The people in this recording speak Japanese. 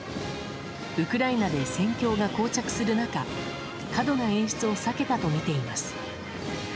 ウクライナで戦況が膠着する中過度な演出を避けたとみています。